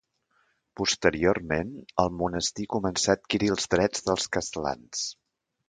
Posteriorment, el monestir començà a adquirir els drets dels castlans.